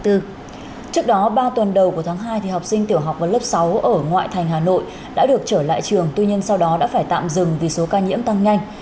trước đó ba tuần đầu của tháng hai học sinh tiểu học và lớp sáu ở ngoại thành hà nội đã được trở lại trường tuy nhiên sau đó đã phải tạm dừng vì số ca nhiễm tăng nhanh